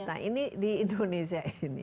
nah ini di indonesia ini